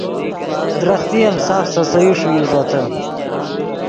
درختے ام ساف سے سے یو ݰوئی ݱوتے